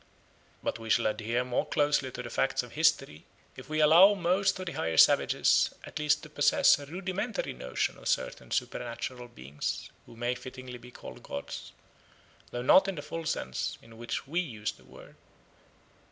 But we shall adhere more closely to the facts of history if we allow most of the higher savages at least to possess a rudimentary notion of certain supernatural beings who may fittingly be called gods, though not in the full sense in which we use the word.